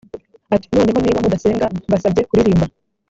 ati “noneho niba mudasenga mbasabye kuririmba”